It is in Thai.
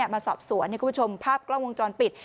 มาสอบสวนให้คุณผู้ชมภาพกล้องวงจรปิด